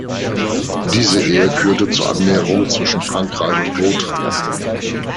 Diese Ehe führte zur Annäherung zwischen Frankreich und Lothringen.